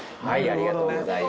ありがとうございます。